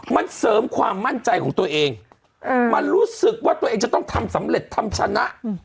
มันเสริมความมั่นใจของตัวเองมันรู้สึกว่าตัวเองจะต้องทำสำเร็จทำชนะ